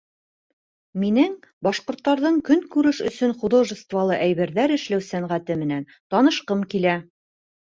Минең башҡорттарҙың көнкүреш өсөн художестволы әйберҙәр эшләү сәнғәте менән танышҡым килә.